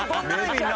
みんな。